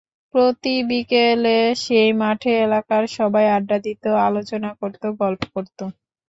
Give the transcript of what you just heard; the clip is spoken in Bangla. প্রতি বিকেলে সেই মাঠে এলাকার সবাই আড্ডা দিত, আলোচনা করত, গল্প করত।